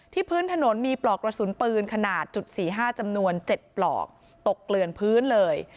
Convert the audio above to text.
พื้นถนนมีปลอกกระสุนปืนขนาดจุด๔๕จำนวน๗ปลอกตกเกลือนพื้นเลย